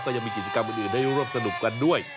ก็ยังมีกิจกรรมอื่นได้ร่วมสนุกกันด้วย